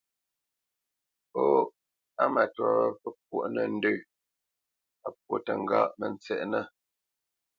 Hô, á matwâ wâ pə́ pwôʼ nə̂ ndə̌, a pwô təŋgáʼ, mə tsɛʼnə̂!